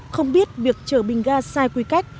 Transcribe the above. không biết việc chở bình ga sai quy cách